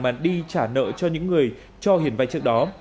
mà đi trả nợ cho những người cho hiền vay trước đó